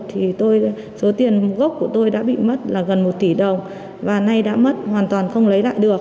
thì số tiền gốc của tôi đã bị mất là gần một tỷ đồng và nay đã mất hoàn toàn không lấy lại được